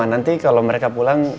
nanti kalau mereka pulang